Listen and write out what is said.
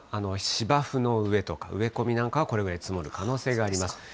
芝生の上とか、植え込みなんかは、これぐらい積もる可能性はあります。